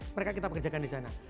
mereka kita pekerjakan di sana